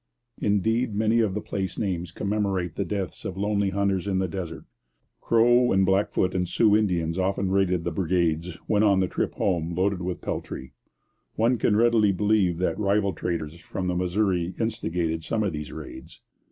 Indeed, many of the place names commemorate the deaths of lonely hunters in the desert. Crow and Blackfoot and Sioux Indians often raided the brigades when on the home trip loaded with peltry. One can readily believe that rival traders from the Missouri instigated some of these raids.